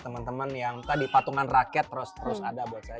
temen temen yang tadi patungan rakyat terus ada buat saya